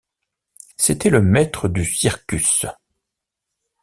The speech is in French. C’était le maître du circus.